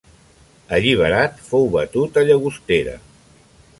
Alliberat, fou batut a Llagostera.